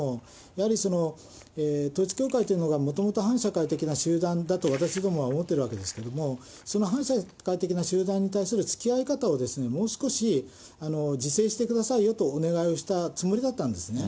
やはり、統一教会というのが、もともと反社会的な集団だと私どもは思ってるわけですけれども、その反社会的な集団に対するつきあい方を、もう少し自制してくださいよとお願いをしたつもりだったんですね。